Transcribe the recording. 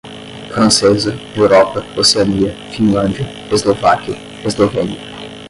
francesa, Europa, Oceania, Finlândia, Eslováquia, Eslovênia